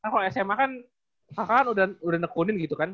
kalau sma kan kakak kan udah nekunin gitu kan